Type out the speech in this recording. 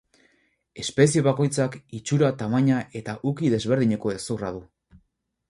Espezie bakoitzak itxura, tamaina eta uki desberdineko hezurra du.